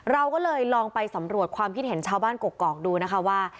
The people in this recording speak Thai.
เราก็เลยลองไปสำรวจความคิดเห็นชาวบ้านกกอกดูนะคะว่า